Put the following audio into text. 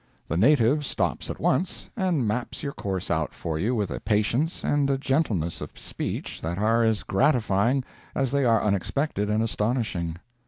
The native stops at once and maps your course out for you with a patience and a gentleness of speech that are as gratifying as they are unexpected and astonishing.